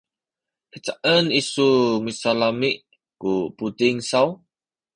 hicaen isu misalami’ ku buting saw?